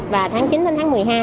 và tháng chín đến tháng một mươi hai